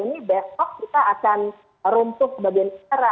ini besok kita akan runtuh ke bagian era